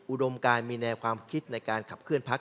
อุดมการมีแนวความคิดในการขับเคลื่อพัก